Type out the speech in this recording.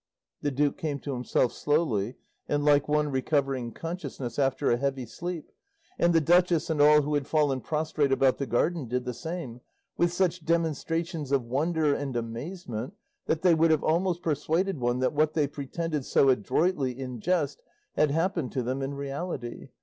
The duke came to himself slowly and like one recovering consciousness after a heavy sleep, and the duchess and all who had fallen prostrate about the garden did the same, with such demonstrations of wonder and amazement that they would have almost persuaded one that what they pretended so adroitly in jest had happened to them in reality.